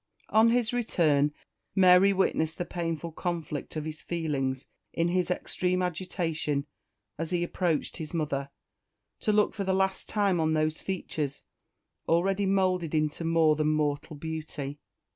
On his return Mary witnessed the painful conflict of his feelings in his extreme agitation as he approached his mother, to look for the last time on those features, already moulded into more than mortal beauty.